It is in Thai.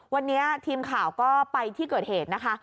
วันนี้ทีมข่าวก็ไปที่เกิดเหตุนะคะ